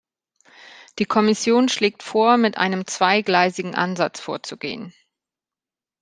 Die Kommission schlägt vor, mit einem zweigleisigen Ansatz vorzugehen.